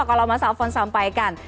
kalau mas alvon sampaikan